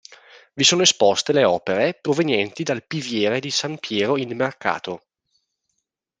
Vi sono esposte le opere provenienti dal piviere di San Piero in Mercato.